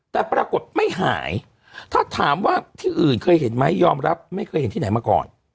แต่ปรากฏไม่หายถ้าถามว่าที่อื่นเคยเห็นไหมยอมรับไม่เคยเห็นที่ไหนมาก่อน